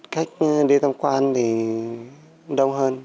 cách đi tham quan thì đông hơn